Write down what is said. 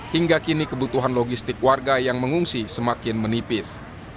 hingga kini kebutuhan logistik warga yang mengungsi semakin menipis